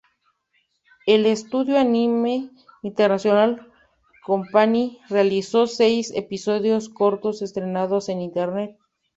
El estudio Anime International Company realizó seis episodios cortos estrenados en Internet.